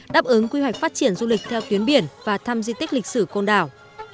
đáp ứng quy hoạch phát triển du lịch theo tuyến biển và thăm di tích lịch sử côn đảo